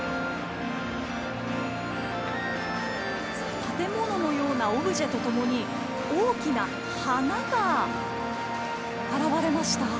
建物のようなオブジェとともに大きな花が現れました。